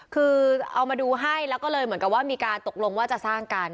คือเอามาดูให้แล้วก็เลยเหมือนกับว่ามีการตกลงว่าจะสร้างกัน